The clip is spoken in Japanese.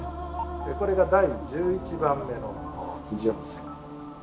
これが第１１番目の基準星。